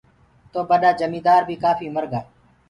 تو ٻڏآ جميٚندآر بي ڪآڦي مرگا۔